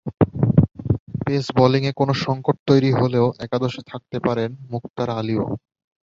Pace বোলিংয়ে কোনো সংকট তৈরি হলে একাদশে থাকতে পারেন মুক্তার আলীও।